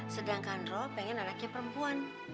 sedangkan roh pengen anaknya perempuan